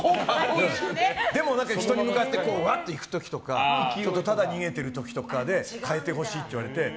でも、人に向かってうわって行く時とかただ逃げてる時で変えてほしいって言われて。